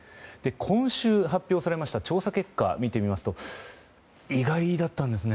今週、発表されました調査結果を見てみますと意外だったんですね。